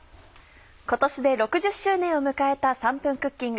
今年で６０周年を迎えた『３分クッキング』。